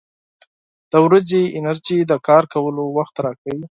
• د ورځې انرژي د کار کولو وخت راکوي.